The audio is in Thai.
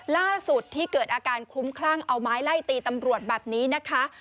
ล่าสุดที่เกิดอาการคลุ้มคลั่งเอาไม้ไล่ตีตำรวจแบบนี้นะคะ